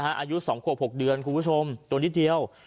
อายุ๒๖เดือนคุณผู้ชมต้นที่เดียว